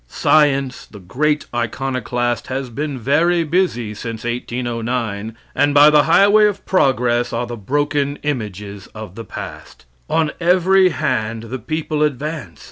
Science, the great iconoclast, has been very busy since 1809, and by the highway of progress are the broken images of the past. On every hand the people advance.